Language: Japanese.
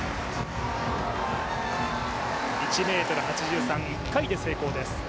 １ｍ８３、１回で成功です。